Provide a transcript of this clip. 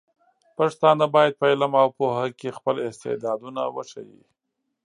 پښتانه بايد په علم او پوهه کې خپل استعدادونه وښيي.